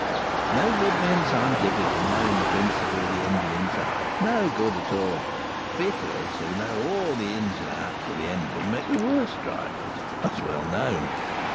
It's no good being scientific and knowing the principle of the engine inside; no good at all. Fitters, who know all the ins and outs of the engine, make the worst drivers. That's well known.